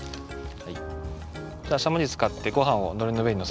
はい！